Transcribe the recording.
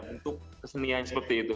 untuk kesenian seperti itu